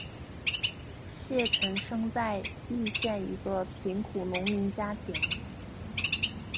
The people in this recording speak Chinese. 谢臣生在易县一个贫苦农民家庭。